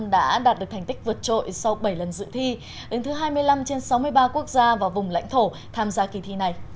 đã đạt được thành tích vượt trội sau bảy lần dự thi đến thứ hai mươi năm trên sáu mươi ba quốc gia và vùng lãnh thổ tham gia kỳ thi này